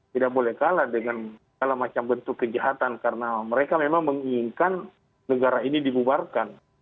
tidak boleh kalah dengan segala macam bentuk kejahatan karena mereka memang menginginkan negara ini dibubarkan